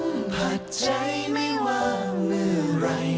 ว่าท่านส่งงานหนักมากเลยครับ